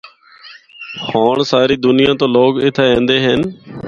ہونڑ ساری دنیا تو لوگ اِتھا ایندے ہن۔